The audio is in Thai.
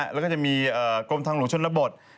แล้วก็จะมีกรมทางหลวงชนบท